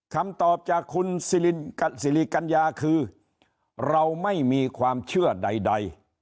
คำตอบจากคุณสิริกัญญาคือเราไม่มีความเชื่อใด